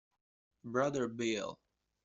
Brother Bill